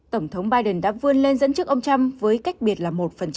tổng thống biden đã vươn lên dẫn trước ông trump với cách biệt là một